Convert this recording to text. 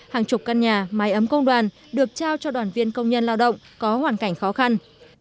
hàng chục căn nhà máy ấm công đoàn được trao cho đoàn viên công nhân lao động có hoàn cảnh khó khăn